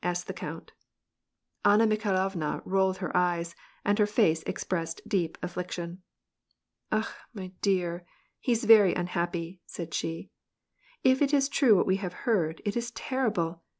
asked the count. Anna Mikhailovna rolled up her eyes, and her face ex pressed deep affliction. " Akh, my dear ! he's very unhappy," said she ;" if it is true, what we have heard, it is terrible